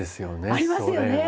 ありますよね！